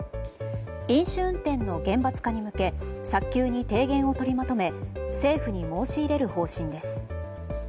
飲酒運転の厳罰化に向け早急に提言を取りまとめ政府に申し入れる方針です。